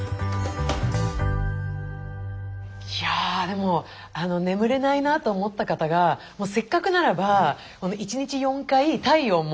いやでも眠れないなと思った方がせっかくならば１日４回体温。